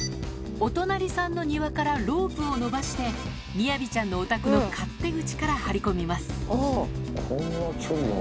お隣さんの庭からロープを伸ばして、みやびちゃんのお宅の勝手口から張り込みます。